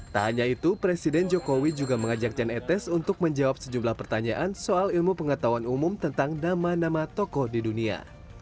tak hanya itu presiden jokowi juga mengajak jan etes untuk menjawab sejumlah pertanyaan soal ilmu pengetahuan umum tentang nama nama tokoh di dunia